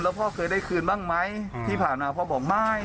พ่อเคยได้คืนบ้างไหมที่ผ่านมาพ่อบอกไม่